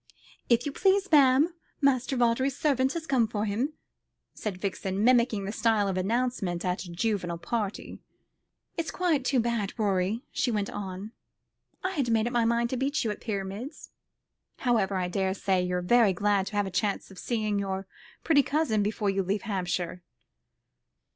"If you please, ma'am, Master Vawdrey's servant has come for him," said Vixen, mimicking the style of announcement at a juvenile party. "It's quite too bad, Rorie," she went on, "I had made up my mind to beat you at pyramids. However I daresay you're very glad to have the chance of seeing your pretty cousin before you leave Hampshire."